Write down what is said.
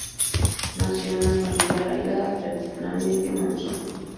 Nació en una familia arraigada tradicionalmente en Monzón.